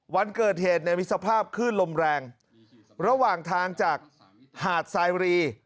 วันเกิดเหตุเนี่ยมีสภาพขึ้นลมแรงระหว่างทางจากหาดสายรี